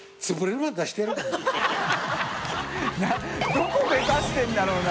どこを目指してるんだろうな？